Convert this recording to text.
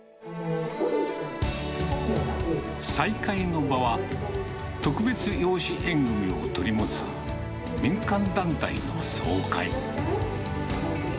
再会の場は、特別養子縁組みを取り持つ民間団体の総会。